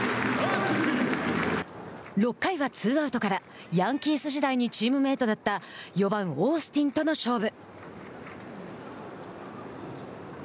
６回はツーアウトからヤンキース時代にチームメートだった４番オースティンとの勝負。